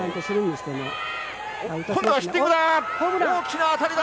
今度はヒッティングだ！